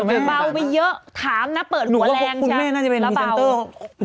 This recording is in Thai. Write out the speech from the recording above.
จริงบาวไปเยอะถามนะเปิดหัวแรงใช่ไหมแล้วบาวหนูว่าคุณแม่น่าจะเป็นพีเซนเตอร์